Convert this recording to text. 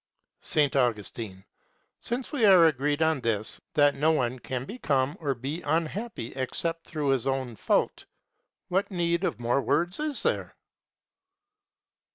S. Augustine. Since we are agreed on this, that no one can become or be unhappy except through his own fault, what need of more words is there?